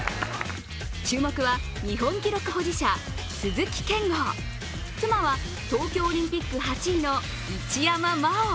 注目は日本記録保持者、鈴木健吾、妻は東京オリンピック８位の一山麻緒。